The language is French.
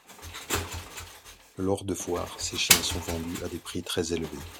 Lors de foires, ces chiens sont vendus à des prix très élevés.